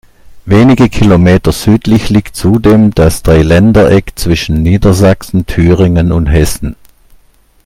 Wenige Kilometer südlich liegt zudem das Dreiländereck zwischen Niedersachsen, Thüringen und Hessen.